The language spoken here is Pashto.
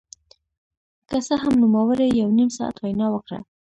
که څه هم نوموړي يو نيم ساعت وينا وکړه.